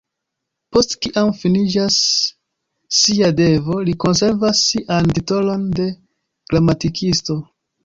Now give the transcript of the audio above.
Post kiam, finiĝas sia devo, li konservas sian titolon de "Gramatikisto".